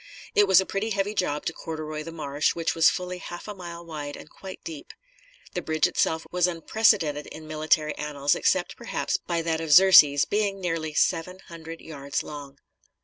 It was a pretty heavy job to corduroy the marsh, which was fully half a mile wide and quite deep. The bridge itself was unprecedented in military annals, except, perhaps, by that of Xerxes, being nearly seven hundred yards long.